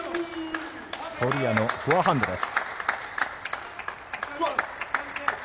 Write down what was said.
ソルヤのフォアハンドです。